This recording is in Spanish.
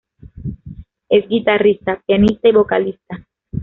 Es guitarrista, pianista y vocalista.